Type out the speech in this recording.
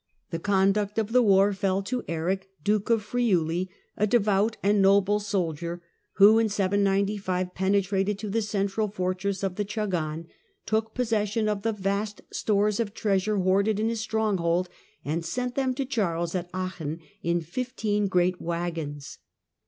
The conduct of the war fell to Eric, 795 Duke of Friuli, a devout and noble soldier, who in 795 penetrated to the central fortress of the Chagan, took possession of the vast stores of treasure hoarded in this stronghold, and sent them to Charles at Aachen in fifteen great waggons.